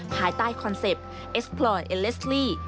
ภายใต้คอนเซ็ปต์เอสโปรดและเลสลี่